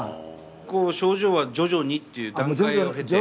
こう症状は徐々にっていう段階を経て？